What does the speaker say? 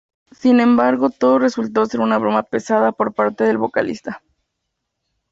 Sin embargo, todo resultó ser una broma pesada por parte del vocalista.